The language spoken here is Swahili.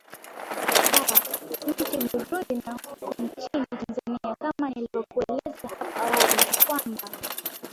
aa nchini burundi na huko nchini tanzania kama nilivyokueleza hapo awali ni kwamba